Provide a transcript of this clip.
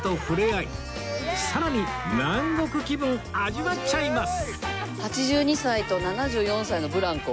さらに南国気分味わっちゃいます